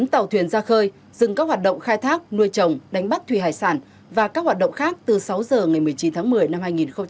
bốn tàu thuyền ra khơi dừng các hoạt động khai thác nuôi trồng đánh bắt thủy hải sản và các hoạt động khác từ sáu giờ ngày một mươi chín tháng một mươi năm hai nghìn hai mươi